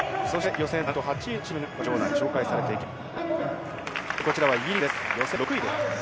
予選５位と６位のチームが紹介されています。